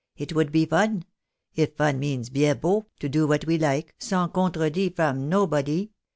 "It would be fun, if fun means Men beau, to do what we Uke, sans contredit from nobody.